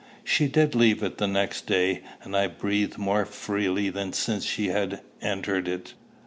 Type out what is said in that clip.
She did leave it the next day, and I breathed more freely than since she had entered it.